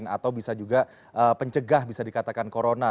atau bisa juga pencegah bisa dikatakan corona